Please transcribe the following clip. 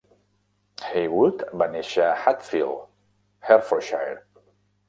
Haywood va néixer a Hatfield, Hertfordshire.